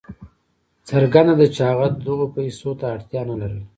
څرګنده ده چې هغه دغو پیسو ته اړتیا نه لرله.